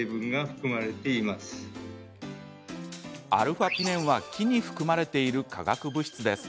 α−ピネンは木に含まれている化学物質です。